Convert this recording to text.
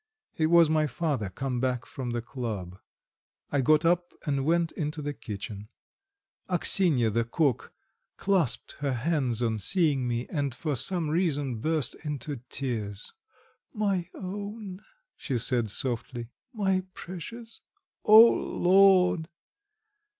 It was my father come back from the club. I got up and went into the kitchen. Axinya the cook clasped her hands on seeing me, and for some reason burst into tears. "My own!" she said softly. "My precious! O Lord!"